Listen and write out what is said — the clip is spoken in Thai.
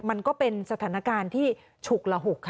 มันก็เป็นสถานการณ์ที่ฉุกละหุกค่ะ